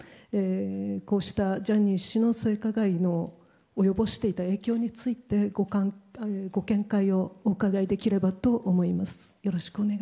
こうしたジャニー氏の性加害の及ぼしていた影響についてご見解をお伺いできればと思います。